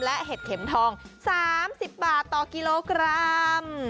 และเห็ดเข็มทอง๓๐บาทต่อกิโลกรัม